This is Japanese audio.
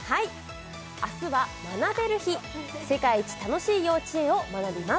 明日は学べる日世界一楽しい幼稚園を学びます